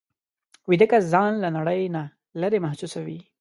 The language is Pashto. ویده کس ځان له نړۍ نه لېرې محسوسوي